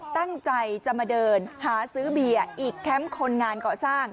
ตั้งใจจะมาเดินหาซื้อเบียร์อีกแคมป์คนงานเกาะสร้าง